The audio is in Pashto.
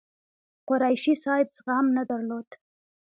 قریشي صاحب زغم نه درلود.